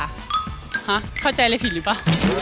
ฮะเข้าใจอะไรผิดหรือเปล่า